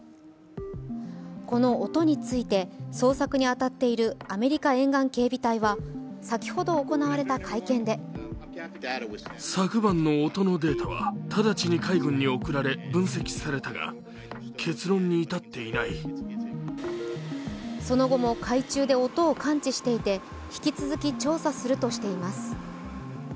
この音について捜索に当たっているアメリカ沿岸警備隊は先ほど行われた会見でその後も海中で音を感知していて、引き続き調査するとしています。